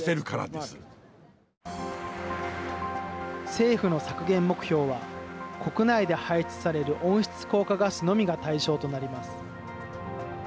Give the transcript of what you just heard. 政府の削減目標は国内で排出される温室効果ガスのみが対象となります。